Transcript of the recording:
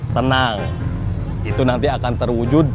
tenang itu nanti akan terwujud